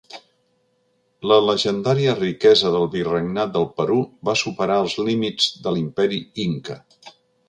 La llegendària riquesa del Virregnat del Perú va superar els límits de l'Imperi inca.